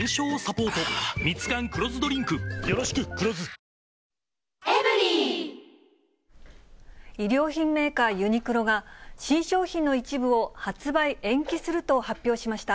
ここ１、２か月ですね、衣料品メーカー、ユニクロが新商品の一部を発売延期すると発表しました。